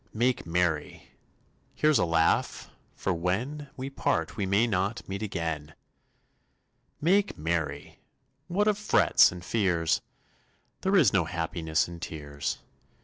Make merry! Here's a laugh, for when We part we may not meet again! Make merry! What of frets and fears? There is no happiness in tears.